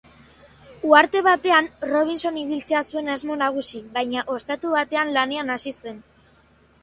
Uharte batean Robinson ibiltzea zuen asmo nagusi baina ostatu batean lanean hasi zen.